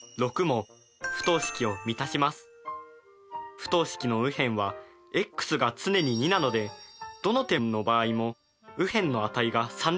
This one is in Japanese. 不等式の右辺はｘが常に２なのでどの点の場合も右辺の値が３でした。